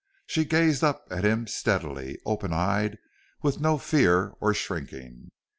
She gazed up at him steadily, open eyed, with no fear or shrinking.